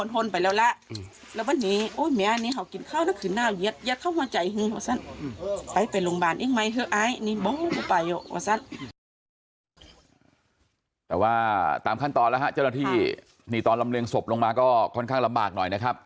แต่ว่าตามขั้นตอนแล้วฮะเจ้าหน้าที่นี่ตอนลำเรียงศพลงมาก็ค่อนข้างลำบากหน่อยนะครับ